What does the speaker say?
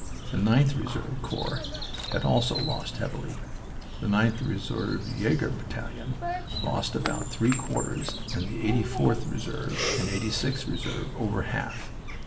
The 9th Reserve Corps had also lost heavily. The 9th Reserve Jager Battalion lost about three quarters, the 84th Reserve and 86th Reserve over half.